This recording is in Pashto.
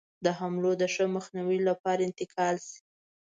د حملو د ښه مخنیوي لپاره انتقال شي.